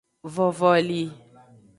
Vovoli.